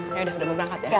ya udah udah berangkat ya